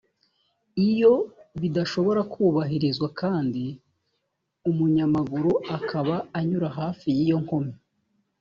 iyo bidashobora kubahirizwa kandi umunyamaguru akaba anyura hafi y’iyo nkomyi